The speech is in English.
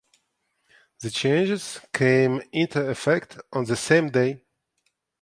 The changes came into effect on the same day.